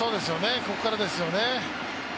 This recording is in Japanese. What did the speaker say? ここからですよね。